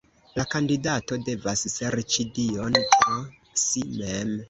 La kandidato devas serĉi Dion pro si mem.